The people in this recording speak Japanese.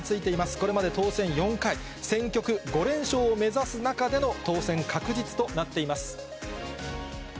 これまで当選４回、選挙区５連勝を目指す中での当選確実となっています。